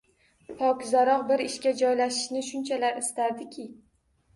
Pokizarok, bir ishga joylashishni shunchalar istardiki...